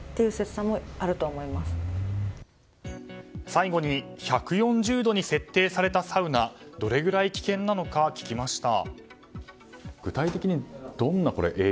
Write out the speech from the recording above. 最後に１４０度に設定されたサウナどれぐらい危険なのか聞きました。